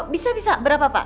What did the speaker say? bisa bisa berapa pak